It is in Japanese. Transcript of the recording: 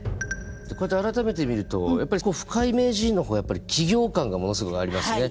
こうやって改めて見ると深井名人の方は企業感がものすごいありますね。